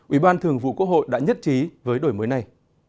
ủy ban thường vụ quốc hội đã nhất trí với đổi mới này